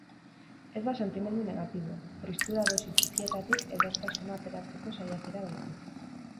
Ez da sentimendu negatiboa, tristura dosi txikietatik edertasuna ateratzeko saiakera baizik.